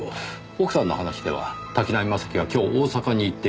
奥さんの話では滝浪正輝は今日大阪に行っているそうです。